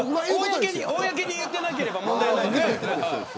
公に言ってなければ問題ないです。